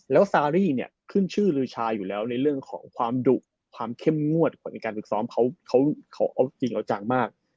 แล้วซารี่เนี่ยขึ้นชื่อลือชาอยู่แล้วในเรื่องของความดุความเข้มงวดของในการฝึกซ้อมเขาเอาจริงเอาจังมาก